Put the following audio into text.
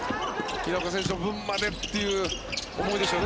平岡選手の分までっていう思いでしょうね